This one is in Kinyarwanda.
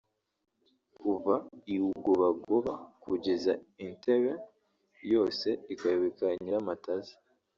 kuva i Rugobagoba kugeza i Ntebe; yose ikayoboka Nyiramataza)